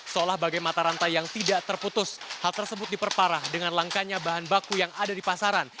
seolah bagai mata rantai yang tidak terputus hal tersebut diperparah dengan langkanya bahan baku yang ada di pasaran